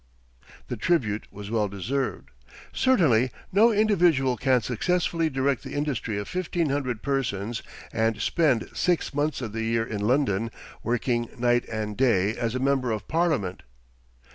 The tribute was well deserved. Certainly, no individual can successfully direct the industry of fifteen hundred persons, and spend six months of the year in London, working night and day as a member of Parliament.